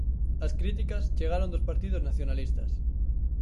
As críticas, chegaron dos partidos nacionalistas.